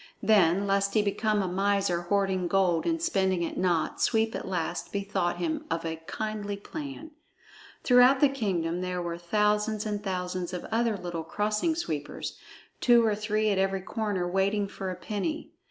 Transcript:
Then, lest he become a miser hoarding gold and spending it not, Sweep at last bethought him of a kindly plan. Throughout the kingdom there were thousands and thousands of other little Crossing Sweepers, two or three at every corner waiting for a penny.